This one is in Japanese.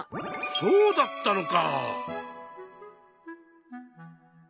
そうだったのか！